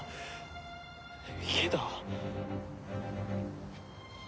けど。